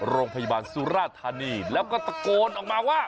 โรงพยาบาลสุราธานีแล้วก็ตะโกนออกมาว่า